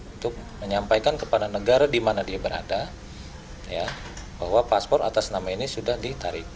untuk menyampaikan kepada negara di mana dia berada bahwa paspor atas nama ini sudah ditarik